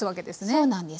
そうなんです。